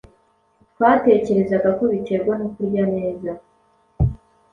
Twatekerezaga ko biterwa no kurya neza